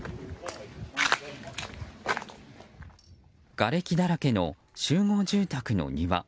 がれきだらけの集合住宅の庭。